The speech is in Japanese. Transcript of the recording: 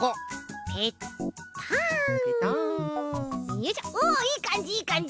よいしょおいいかんじいいかんじ！